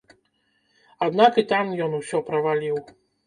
Аднак і там ён усё праваліў.